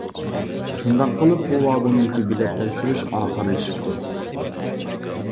شۇنداق قىلىپ، بۇ ۋاگوندىكى بېلەت تەكشۈرۈش ئاخىرلىشىپتۇ.